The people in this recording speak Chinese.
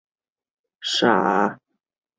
户籍人口为公安机关统计的户口登记人数。